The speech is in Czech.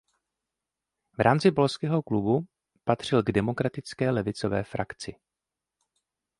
V rámci Polského klubu patřil k demokratické levicové frakci.